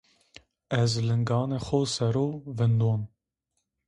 Ez lınganê xo sero vındon.